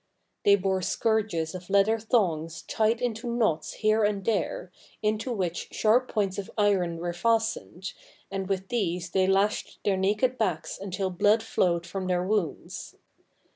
They bore scourges of leather thongs tied into knots here and there, into which sharp points of iron were fastened, and with these they lashed their naked backs until blood flowed from their wounds.